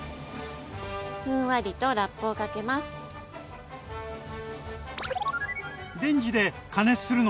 ふんわりとラップをかけます。